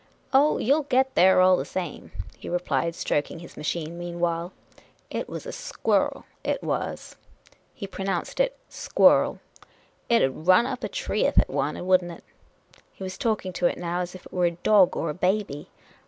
" Oh, you '11 get there all the same," he replied, stroking his machine meanwhile. " It was a squirrel, it was !" (He pronounced it squirl.) " It 'ud run up a tree ef it wanted, would n't it ?" He was talking to it now as if it were a dog or a baby.